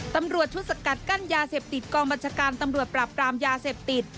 ตำรวจชุดสกัดกั้นยาเสพติดกองบัญชาการตำรวจปราบปรามยาเสพติด